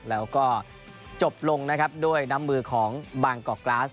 แล้วก็จบลงด้วยน้ำมือของบางกอกกราซ